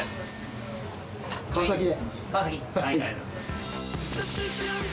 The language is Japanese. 川崎で。